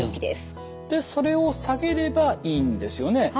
でそれを下げればいいんですよね？